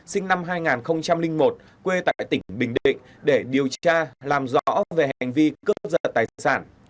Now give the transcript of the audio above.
sinh năm hai nghìn một quê tại tỉnh bình định để điều tra làm rõ về hành vi cướp giật tài sản